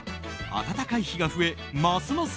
暖かい日が増えますます